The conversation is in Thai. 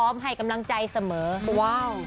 ว้าว